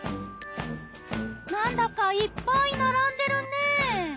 なんだかいっぱい並んでるね。